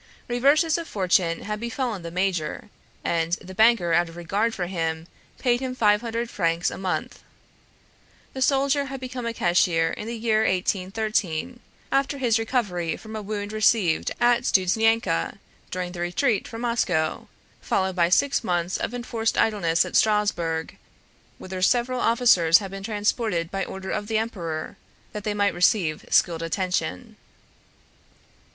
Reverses of fortune had befallen the major, and the banker out of regard for him paid him five hundred francs a month. The soldier had become a cashier in the year 1813, after his recovery from a wound received at Studzianka during the Retreat from Moscow, followed by six months of enforced idleness at Strasbourg, whither several officers had been transported by order of the Emperor, that they might receive skilled attention.